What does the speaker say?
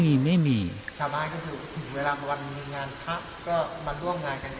ชาวบ้านก็ถึงเวลามันมีงานค่ะก็มาล่วงงานกันอย่างนี้